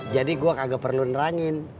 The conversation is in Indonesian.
jadi gue kagak perlu nerangin